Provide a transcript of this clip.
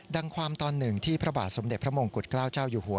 ความตอนหนึ่งที่พระบาทสมเด็จพระมงกุฎเกล้าเจ้าอยู่หัว